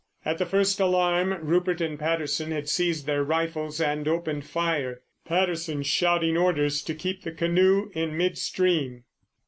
At the first alarm Rupert and Patterson had seized their rifles and opened fire, Patterson shouting orders to keep the canoe in mid stream.